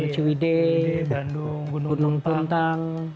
cewidee bandung gunung tuntang